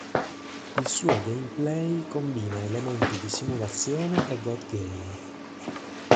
Il suo gameplay combina elementi di simulazione e god game.